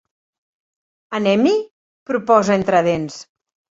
Anem-hi? —proposa entre dents.